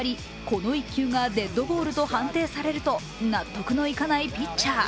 この１球がデッドボールと判定されると納得のいかないピッチャー。